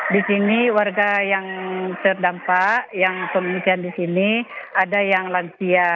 di sini warga yang terdampak yang pengungsian di sini ada yang lansia